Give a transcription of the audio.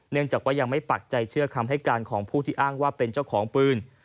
จากว่ายังไม่ปักใจเชื่อคำให้การของผู้ที่อ้างว่าเป็นเจ้าของปืน